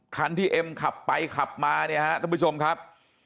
คันที่เอ็มขับไปขับมาเนี่ยฮะท่านผู้ชมครับ